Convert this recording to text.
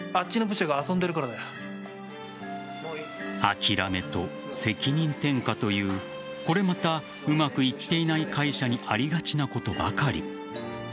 諦めと責任転嫁というこれまたうまくいっていない会社にありがちなことばかり。